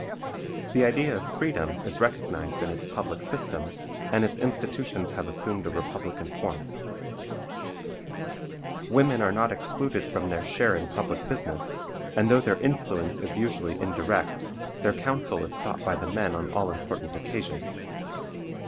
The idea of freedom is recognized in its public system, and its institutions have assumed a republican form. Women are not excluded from their share in public business; and though their influence is usually indirect, their counsel is sought by the men on all important occasions.